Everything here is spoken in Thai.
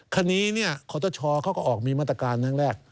คราวนี้ขอตชเขาก็ออกมีมาตรการทั้งแรก